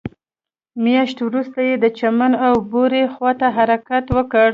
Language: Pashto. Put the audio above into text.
مياشت وروسته يې د چمن او بوري خواته حرکت وکړ.